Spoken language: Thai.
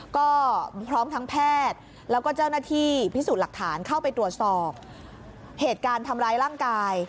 ก็พร้อมทั้งแพทย์แล้วก็เจ้าหน้าที่พิสูจน์หลักฐานเข้าไปตรวจสอบเหตุการณ์ทำร้ายร่างกาย